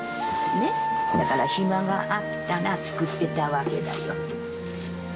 だから暇があったら作ってたわけだよ。